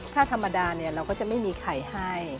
ถ้าธรรมดาเนี่ยเราก็จะไม่มีไข่ให้